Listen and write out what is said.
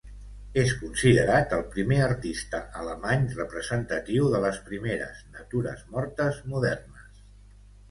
És considerat el primer artista alemany representatiu de les primeres natures mortes modernes.